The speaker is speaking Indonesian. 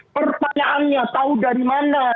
pertanyaannya tahu dari mana